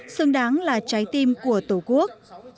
xứng đáng là trái tim của tổ quốc